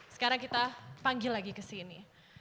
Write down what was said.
sekarang kita panggil lagi kesini